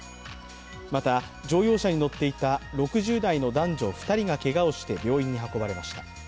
また、乗用車に乗っていた６０代の男女２人がけがをして病院に運ばれました。